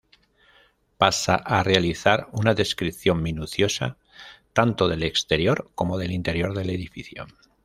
Pasa a realizar una descripción minuciosa tanto del exterior como del interior del edificio.